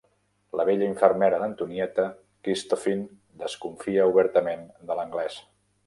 La vella infermera d'Antonieta, Christophine, desconfia obertament de l'anglès.